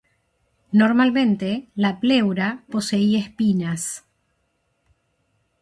Normalmente la pleura poseía espinas.